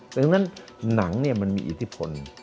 ดังนั้นหนังมันมีอิทธิพล